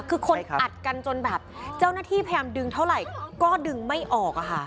คือคนอัดกันจนแบบเจ้าหน้าที่พยายามดึงเท่าไหร่ก็ดึงไม่ออกอะค่ะ